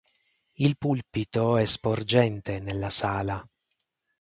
Il pulpito è sporgente nella sala.